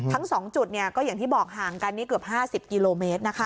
ทั้ง๒จุดก็อย่างที่บอกห่างกันนี่เกือบ๕๐กิโลเมตรนะคะ